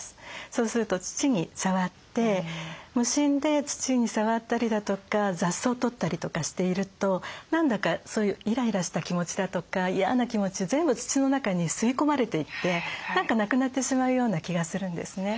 そうすると土に触って無心で土に触ったりだとか雑草取ったりとかしていると何だかそういうイライラした気持ちだとかいやな気持ち全部土の中に吸い込まれていって何かなくなってしまうような気がするんですね。